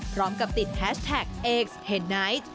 พร้อมกับติดแฮชแท็กเอ็กซ์เฮนไนท์